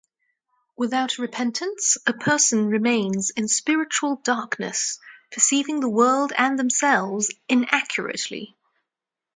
Without repentance, a person remains in spiritual darkness, perceiving the world and themselves inaccurately.